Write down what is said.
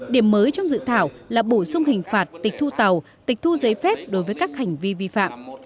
điểm mới trong dự thảo là bổ sung hình phạt tịch thu tàu tịch thu giấy phép đối với các hành vi vi phạm